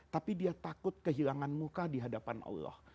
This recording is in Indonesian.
tapi dia takut kehilangan muka dihadapan allah